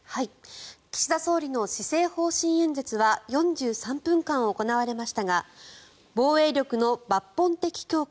岸田総理の施政方針演説は４３分間行われましたが防衛力の抜本的強化